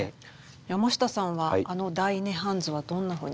山下さんはあの「大涅槃図」はどんなふうにご覧になります？